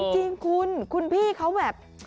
จริงคุณคุณพี่เค้าแน่ะ